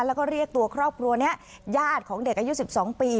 แล้วก็เรียกตัวครอบครัวนี้ญาติของเด็กอายุ๑๒ปี